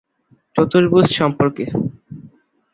চতুর্ভুজ সম্পর্কে।